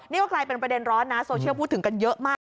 นี่ก็กลายเป็นประเด็นร้อนนะโซเชียลพูดถึงกันเยอะมาก